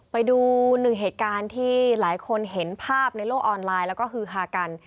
ไปดูหนึ่งเหตุการณ์ที่หลายคนเห็นภาพในโลกออนไลน์แล้วก็ฮือฮากัน